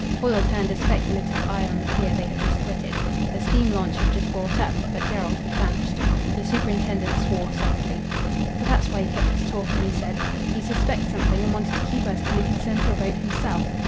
Foyle turned a speculative eye on the pier they had just quitted. A steam launch had just brought up, but Jerrold had vanished. The superintendent swore softly. "So that's why he kept us talking," he said. "He suspects something, and wanted to keep us till he could send for a boat himself.